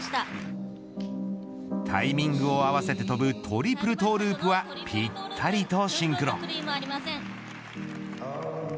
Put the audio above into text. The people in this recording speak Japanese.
タイミングを合わせて飛ぶトリプルトゥループはぴったりとシンクロ。